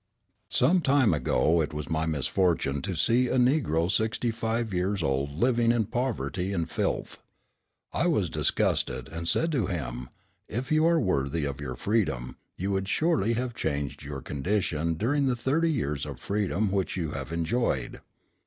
Some time ago it was my misfortune to see a Negro sixty five years old living in poverty and filth. I was disgusted, and said to him, "If you are worthy of your freedom, you would surely have changed your condition during the thirty years of freedom which you have enjoyed."